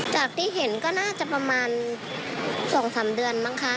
จากที่เห็นก็น่าจะประมาณ๒๓เดือนมั้งคะ